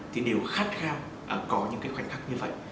thì đều khát khao có những cái khoảnh khắc như vậy